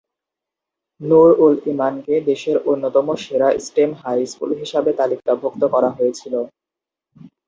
নূর-উল-ইমানকে দেশের অন্যতম সেরা স্টেম হাই স্কুল হিসাবে তালিকাভুক্ত করা হয়েছিল।